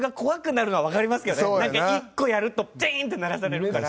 なんか１個やるとチーン！って鳴らされるから。